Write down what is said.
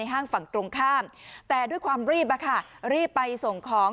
ห้างฝั่งตรงข้ามแต่ด้วยความรีบอะค่ะรีบไปส่งของ